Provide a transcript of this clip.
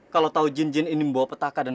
kalau tahu jin jin ini membawa petaka dan